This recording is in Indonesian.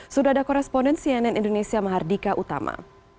sudah ada koresponden cnn indonesia mahardika utama